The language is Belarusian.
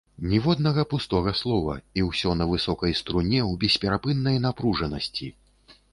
Ніводнага пустога слова, і ўсё на высокай струне, у бесперапыннай напружанасці.